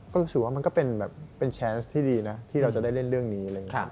ก็รู้สึกว่ามันก็เป็นแบบเป็นแชร์สที่ดีนะที่เราจะได้เล่นเรื่องนี้อะไรอย่างนี้